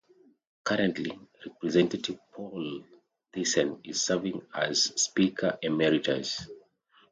Currently, Representative Paul Thissen is serving as Speaker Emeritus.